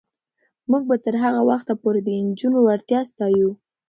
موږ به تر هغه وخته پورې د نجونو وړتیا ستایو.